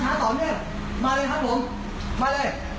ต่อเนื่องต่อเนื่องต่อเนื่องครับต่อเนื่องต่อเนื่องมา